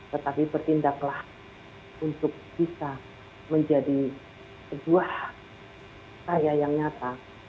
tetapi bertindaklah untuk bisa menjadi sebuah saya yang nyata